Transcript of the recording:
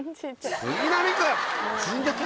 杉並区！